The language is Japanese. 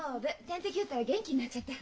点滴打ったら元気になっちゃった。